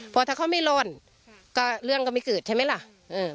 พอถ้าเขาไม่ร่อนก็เรื่องก็ไม่เกิดใช่ไหมล่ะ